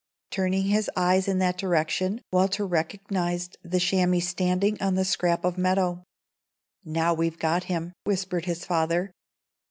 Turning his eyes in that direction, Walter recognized the chamois standing on the scrap of meadow. "Now we've got him," whispered his father.